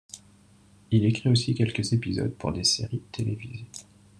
Il écrit aussi quelques épisodes pour des séries télévisées.